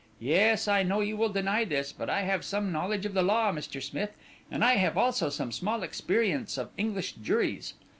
Yes, I know you will deny this, but I have some knowledge of the law, Mr. Smith, and I have also some small experience of English juries.